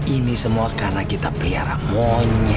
ini semua karena kita pelihara monyet